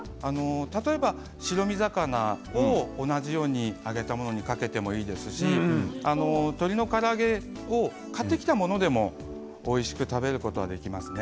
例えば白身魚も同じように揚げたものにかけてもいいですし鶏のから揚げを買ってきたものでもおいしく食べることができますね。